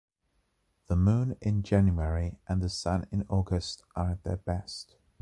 The Moon in January and the Sun in August are at their best.